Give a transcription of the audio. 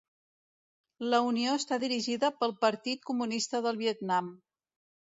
La unió està dirigida pel Partit Comunista del Vietnam.